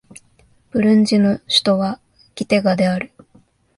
ブルンジの首都はギテガである